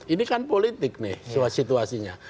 ini kan politik nih situasinya